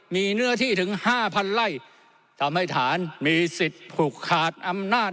มีเนื้อที่ถึงห้าพันไร่ทำให้ฐานมีสิทธิ์ผูกขาดอำนาจ